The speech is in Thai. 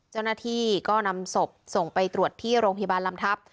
เจ้าหน้าที่ก็นำศพส่งไปตรวจที่โรงพยาบาลลำทัพ